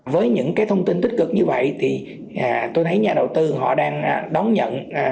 với những thông tin tích cực như vậy tôi thấy nhà đầu tư đang đón nhận